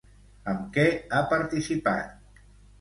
Amb què ha participat?